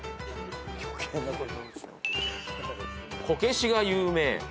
こけしが有名。